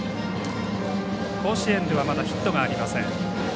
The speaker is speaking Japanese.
甲子園ではまだヒットがありません。